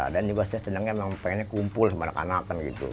dan juga saya senangnya memang pengennya kumpul sama anak anak gitu